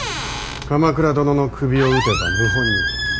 鎌倉殿の首を討てば謀反人。